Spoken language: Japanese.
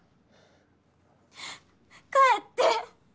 帰って！